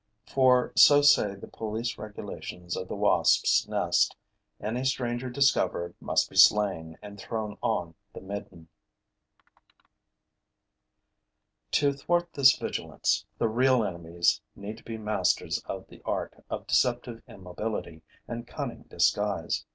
For so say the police regulations of the wasps' nest: any stranger discovered must be slain and thrown on the midden. To thwart this vigilance, the real enemies need to be masters of the art of deceptive immobility and cunning disguise.